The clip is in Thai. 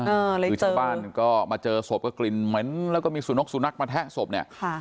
คือชาวบ้านก็มาเจอศพก็กลิ่นเหม็นแล้วก็มีสุนกสุนัขมาแทะศพเนี่ยค่ะ